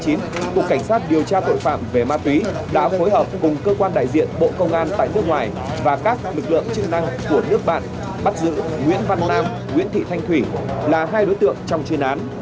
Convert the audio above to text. cục cảnh sát điều tra tội phạm về ma túy đã phối hợp cùng cơ quan đại diện bộ công an tại nước ngoài và các lực lượng chức năng của nước bạn bắt giữ nguyễn văn nam nguyễn thị thanh thủy là hai đối tượng trong chuyên án